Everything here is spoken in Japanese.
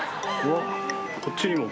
あっこっちにも。